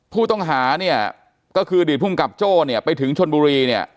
ผู้ต้องหาก็คือดิสภูมิกับโจ้ไปถึงชนบุรี